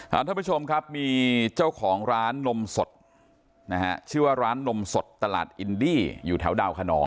ท่านผู้ชมครับมีเจ้าของร้านนมสดนะฮะชื่อว่าร้านนมสดตลาดอินดี้อยู่แถวดาวขนอง